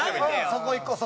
そこいこう。